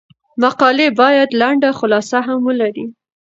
مقالې باید لنډه خلاصه هم ولري.